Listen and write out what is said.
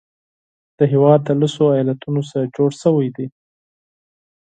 دا هیواد د لسو ایالاتونو څخه جوړ شوی دی.